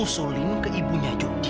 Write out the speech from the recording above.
suruh ini ke ibunya jody